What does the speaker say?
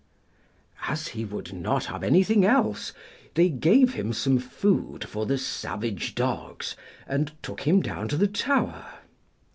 As he would not have anything else, they gave him some food for the savage dogs, and took him down to the tower.